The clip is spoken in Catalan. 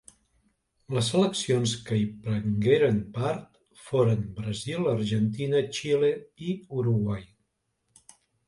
Les seleccions que hi prengueren part foren Brasil, Argentina, Xile i Uruguai.